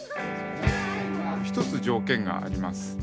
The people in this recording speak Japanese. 一つ条件があります。